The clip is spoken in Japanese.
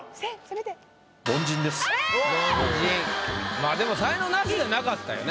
まあでも才能ナシじゃなかったよね。